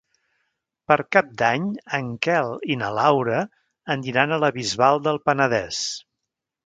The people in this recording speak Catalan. Per Cap d'Any en Quel i na Laura aniran a la Bisbal del Penedès.